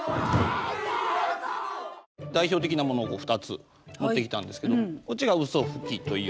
代表的なものを２つ持ってきたんですけどこっちがうそふきという。